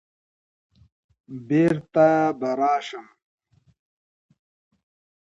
بېرته به راشم